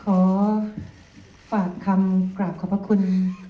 ขอฝากคำกราบขอบพระคุณ